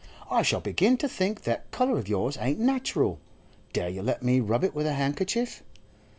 'I shall begin to think that colour of yours ain't natural. Dare you let me rub it with a handkerchief?